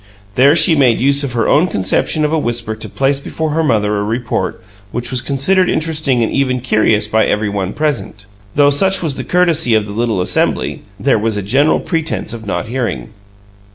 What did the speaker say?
There she made use of her own conception of a whisper to place before her mother a report which was considered interesting and even curious by every one present; though, such was the courtesy of the little assembly, there was a general pretense of not hearing.